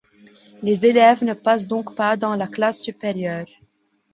Les élèves ne passent donc pas dans la classe supérieure.